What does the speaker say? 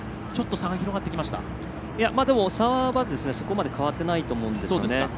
差はそこまで変わってないと思うんですよね。